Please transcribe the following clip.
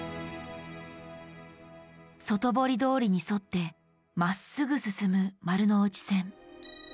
外堀通りに沿ってまっすぐ進む丸ノ内線。